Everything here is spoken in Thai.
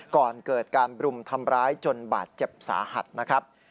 ก่อนเกิดการบรุมทำร้ายจนบาดเจ็บสาหัสนะครับ